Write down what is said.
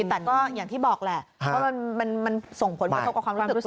แต่ก็อย่างที่บอกแหละมันส่งผลต่อกับความรู้สึกใจ